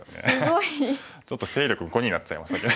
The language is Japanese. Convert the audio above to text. ちょっと勢力５になっちゃいましたね。